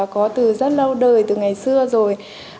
có từ rất lâu đời từ ngày xưa rồi